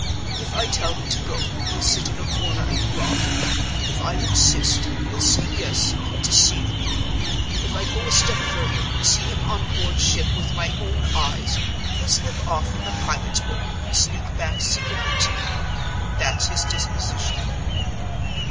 If I tell him to go, he'll sit in a corner and cry. If I insist, he'll say Yes, and deceive me. If I go a step further, and see him on board ship with my own eyes, he'll slip off in the pilot's boat, and sneak back secretly to you. That's his disposition."